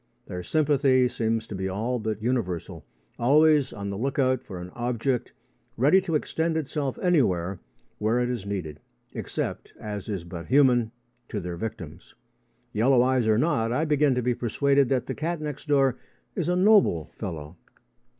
Their sympathy seems to be all but universal, always on the look out for an object, ready to extend itself anywhere where it is needed, except, as is but human, to their victims. Yellow eyes or not, I begin to be persuaded that the cat next door is a noble fellow.